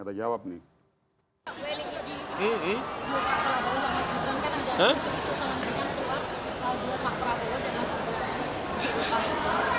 dua kak prabawa sama seorang